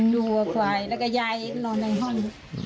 ดูว่าไหวแล้วก็ยายนอนในห้อง